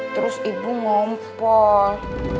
terus ibu ngompol